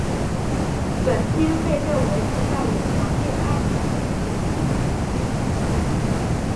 本片被认为是带有强烈爱情元素的惊悚片。